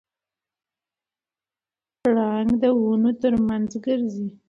پړانګ ونو ترمنځ ګرځي.